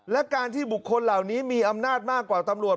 และการที่บุคคลเหล่านี้มีอำนาจมากกว่าตำรวจ